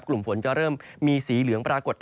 กลุ่มฝนจะเริ่มมีสีเหลืองปรากฏ